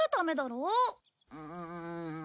うん。